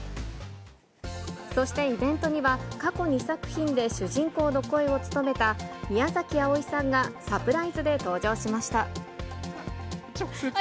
そしてイベントには、過去２作品で主人公の声を務めた宮崎あおいさんがサプライズで登場しました。